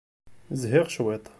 Zhiɣ cwiṭ.